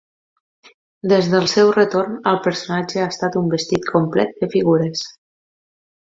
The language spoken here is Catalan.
Des del seu retorn, el personatge ha estat un vestit complet de figures.